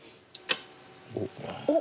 おっ！